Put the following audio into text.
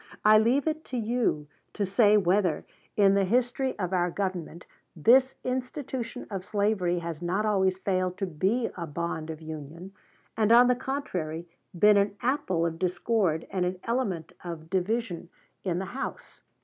I leave it to you to say whether, in the history of our government, this institution of slavery has not always failed to be a bond of union, and on the contrary been an apple of discord and an element of division in the house.